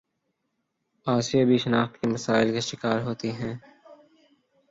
آسیہ بھی شناخت کے مسائل کا شکار ہوتی ہے